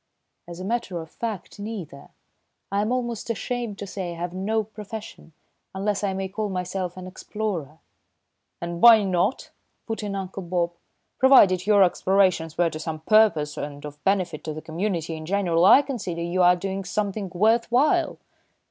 "As a matter of fact, neither. I am almost ashamed to say I have no profession, unless I may call myself an explorer." "And why not?" put in Uncle Bob. "Provided your explorations were to some purpose and of benefit to the community in general, I consider you are doing something worth while."